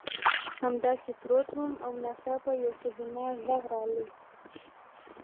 همداسې پروت وم او ناڅاپه یو ښځینه غږ راغی